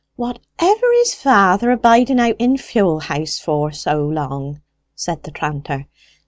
"Whatever is father a biding out in fuel house so long for?" said the tranter.